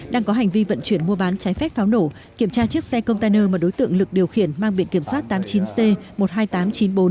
đang có hành vi vận chuyển mua bán trái phép pháo nổ kiểm tra chiếc xe container mà đối tượng lực điều khiển mang biện kiểm soát tám mươi chín c một mươi hai nghìn tám trăm chín mươi bốn